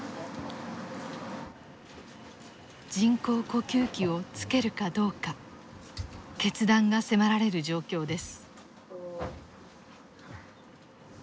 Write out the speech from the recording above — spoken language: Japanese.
人工呼吸器をつけるかどうか決断が迫られる状況です。